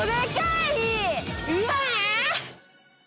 うわ！